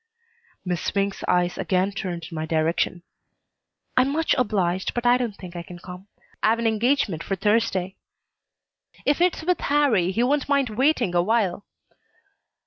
Miss Swink's eyes again turned in my direction. "I'm much obliged, but I don't think I can come. I've an engagement for Thursday." "If it's with Harrie, he won't mind waiting awhile."